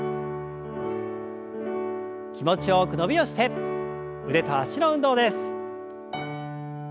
気持ちよく伸びをして腕と脚の運動です。